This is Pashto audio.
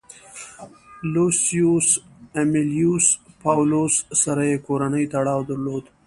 لوسیوس امیلیوس پاولوس سره یې کورنی تړاو درلود